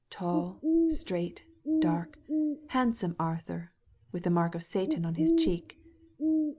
Tall, straight, dark, handsome Arthur, with the mark of Satan on his cheek."